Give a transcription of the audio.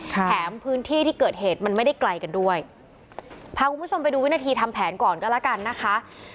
แถมพื้นที่ที่เกิดเหตุมันไม่ได้ไกลกันด้วยพาคุณผู้ชมไปดูวินาทีทำแผนก่อนก็แล้วกันนะคะ